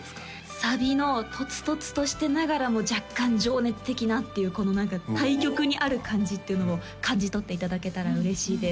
サビのとつとつとしてながらも若干情熱的なっていうこの何か対極にある感じっていうのを感じ取っていただけたら嬉しいです